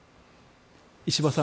石破さん。